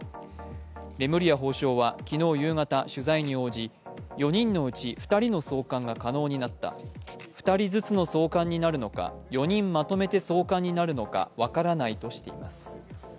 レムリヤ法相は昨日夕方取材に応じ４人のうち２人の送還が可能になった、２人ずつの送還になるのか、４人まとめて送還になるのか分からないとしています。